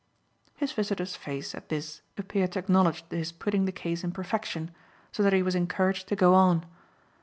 His visitor's face, at this, appeared to acknowledge his putting the case in perfection, so that he was encouraged to go on.